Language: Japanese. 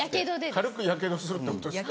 軽くやけどするってことですか。